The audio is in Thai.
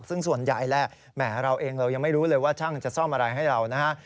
ซึ่งส่วนใหญ่แหละแหมเราเองเรายังไม่รู้เลยว่าช่างจะซ่อมอะไรให้เรานะฮะ